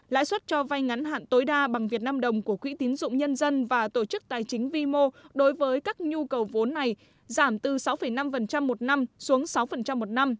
lãi suất cho vay ngắn hạn tối đa bằng việt nam đồng của quỹ tín dụng nhân dân và tổ chức tài chính vimo đối với các nhu cầu vốn này giảm từ sáu năm một năm xuống sáu một năm